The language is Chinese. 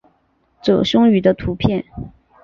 褶胸鱼的图片